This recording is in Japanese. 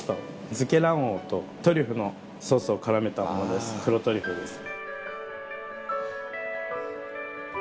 漬け卵黄とトリュフのソースを絡めたものです黒トリュフです。